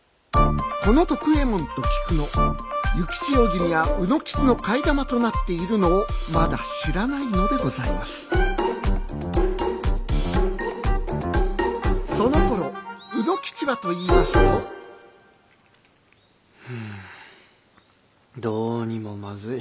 この徳右衛門と菊野幸千代君が卯之吉の替え玉となっているのをまだ知らないのでございますそのころ卯之吉はといいますとどうにもまずい。